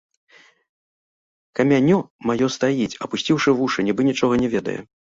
Канянё маё стаіць, апусціўшы вушы, нібы нічога не ведае.